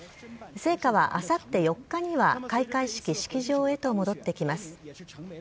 聖火はあさって４日には開会式式場へと戻ってきます。